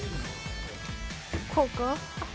こうか。